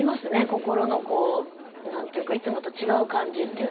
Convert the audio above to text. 心の何ていうかいつもと違う感じっていうのは。